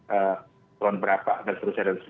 ekselon berapa dan terus terus